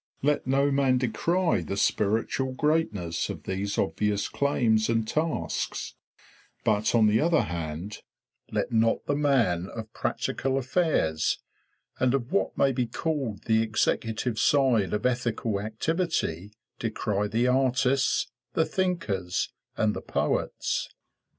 Let no man decry the spiritual greatness of these obvious claims and tasks; but on the other hand, let not the man of practical affairs and of what may be called the executive side of ethical activity decry the artists, the thinkers, and the poets.